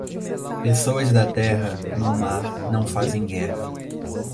Pessoas da terra, no mar, não fazem guerra.